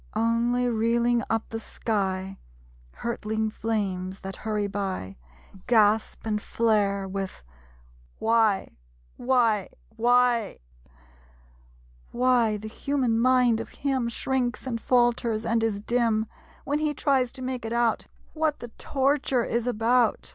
Only, reeling up the sky, Hurtling flames that hurry by, Gasp and flare, with Why Why, ... Why?... Why the human mind of him Shrinks, and falters and is dim When he tries to make it out: What the torture is about.